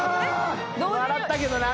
笑ったけどな。